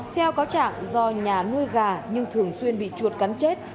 theo cáo trạng do nhà nuôi gà nhưng thường xuyên bị chuột cắn chết